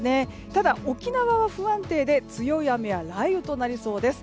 ただ、沖縄は不安定で強い雨や雷雨となりそうです。